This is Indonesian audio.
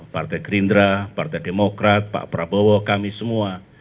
partai gerindra partai demokrat pak prabowo kami semua